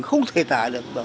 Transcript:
không thể thả